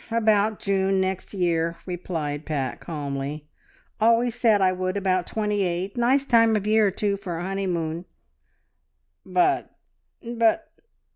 "Oh, about next June year," replied Pat calmly. "Always said I would about twenty eight. Nice time of year, too, for a honeymoon!" "But ... but..."